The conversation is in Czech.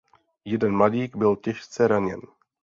Jeden mladík byl těžce raněn.